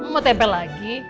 mau tepe lagi